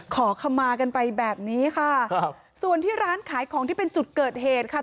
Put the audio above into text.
ขอขมากันไปแบบนี้ค่ะครับส่วนที่ร้านขายของที่เป็นจุดเกิดเหตุค่ะ